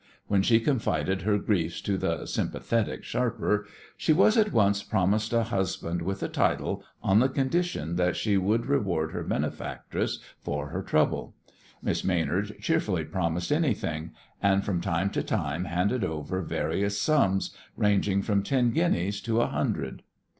When she confided her griefs to the "sympathetic" sharper she was at once promised a husband with a title on the condition that she would reward her benefactress for her trouble. Miss Maynard cheerfully promised anything, and from time to time handed over various sums, ranging from ten guineas to a hundred.